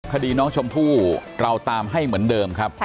คดีน้องชมพู่เราตามให้เหมือนเดิมครับ